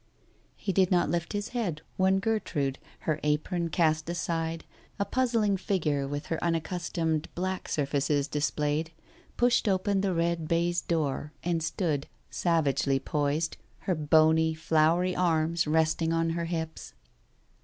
He did not lift his head when Gertrude, her apron cast aside, a puzzling figure with her unaccustomed black surfaces displayed, pushed open the red baize door, and stood, savagely poised, her bony, floury arms resting on her hips.